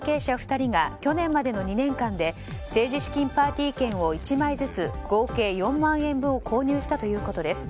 ２人が去年までの２年間で政治資金パーティー券を１枚ずつ合計４万円分を購入したということです。